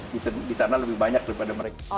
di sana lebih banyak daripada mereka